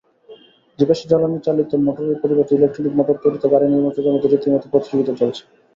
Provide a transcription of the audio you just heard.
জীবাশ্ম জ্বালানিচালিত মোটরের পরিবর্তে ইলেকট্রিক মোটর তৈরিতে গাড়িনির্মাতাদের মধ্যে রীতিমতো প্রতিযোগিতা চলছে।